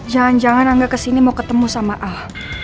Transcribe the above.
jangan jangan angga kesini mau ketemu sama ah